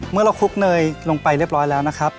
เมื่อเราคลุกเนยลงไปเรียบร้อยแล้วนะครับ